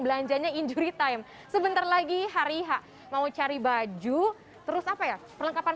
belanjanya injury time sebentar lagi hari h mau cari baju terus apa ya perlengkapan